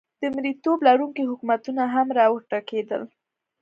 د مریتوب لرونکي حکومتونه هم را وټوکېدل.